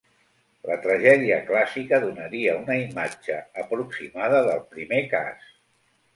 La tragèdia clàssica donaria una imatge aproximada del primer cas.